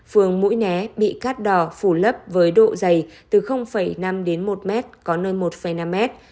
phường mũi né bị cát đỏ phủ lấp với độ dày từ năm đến một mét có nơi một năm mét